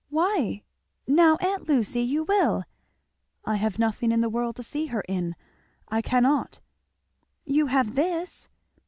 "Why? Now aunt Lucy! you will." "I have nothing in the world to see her in I cannot." "You have this?"